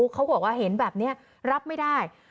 เขาบอกว่าเห็นแบบนี้รับไม่ได้